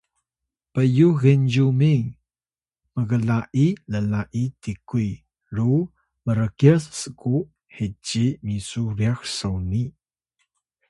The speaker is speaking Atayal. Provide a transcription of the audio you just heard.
pyux Genzyumin mgla’i lla’i tikuy ru mrkyas sku heci misu ryax soni